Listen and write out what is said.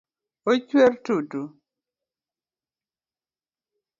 Ochuer tutu?